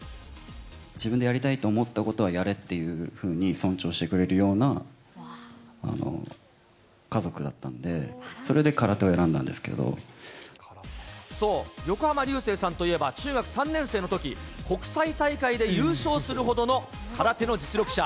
自分でやりたいと思ったことはやれっていうふうに尊重してくれるような家族だったんで、そう、横浜流星さんといえば、中学３年生のとき、国際大会で優勝するほどの空手の実力者。